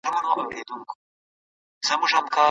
لوږه د انسان ژوند په مستقیم ډول ګواښي.